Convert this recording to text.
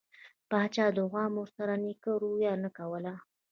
پاچا د عوامو سره نيکه رويه نه کوله.